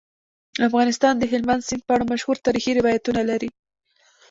افغانستان د هلمند سیند په اړه مشهور تاریخی روایتونه لري.